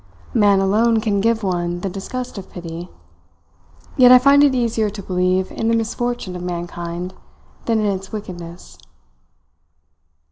Man alone can give one the disgust of pity; yet I find it easier to believe in the misfortune of mankind than in its wickedness.